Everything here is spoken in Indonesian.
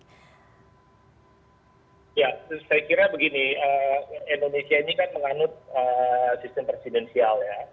saya kira begini indonesia ini kan menganut sistem presidensial